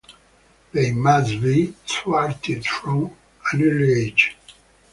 They must be thwarted from an early age...